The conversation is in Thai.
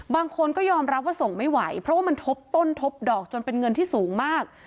บางคนก็ยอมรับว่าส่งไม่ไหวเพราะว่ามันทบต้นทบดอกจนเป็นเงินที่สูงมาก